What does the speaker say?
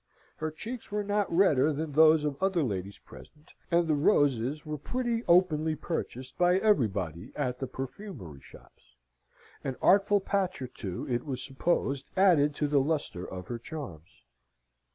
Her cheeks were not redder than those of other ladies present, and the roses were pretty openly purchased by everybody at the perfumery shops. An artful patch or two, it was supposed, added to the lustre of her charms.